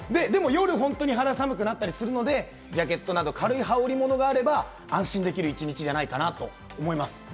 でも夜、ホントに肌寒くなったりするのでジャケットなど軽い羽織り物があれば安心できる一日じゃないかなと思います。